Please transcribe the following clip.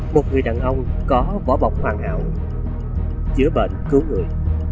một người đàn ông có vỏ bọc hoàng hậu giữa bệnh cứu người